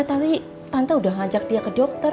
tapi tante udah ngajak dia ke dokter